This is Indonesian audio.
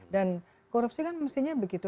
dan korupsi kan mestinya begitu